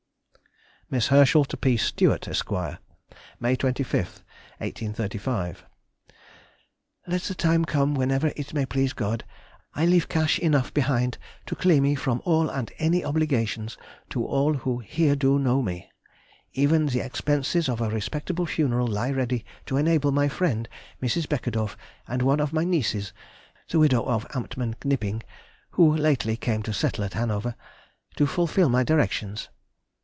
MISS HERSCHEL TO P. STEWART, ESQ. May 25, 1835. Let the time come whenever it may please God, I leave cash enough behind to clear me from all and any obligations to all who here do know me. Even the expenses of a respectable funeral lie ready to enable my friend Mrs. Beckedorff, and one of my nieces (the widow of Amptmann Knipping, who lately came to settle at Hanover) to fulfil my directions.